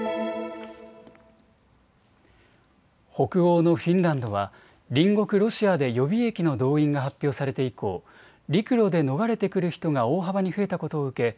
北欧のフィンランドは隣国ロシアで予備役の動員が発表されて以降、陸路で逃れてくる人が大幅に増えたことを受け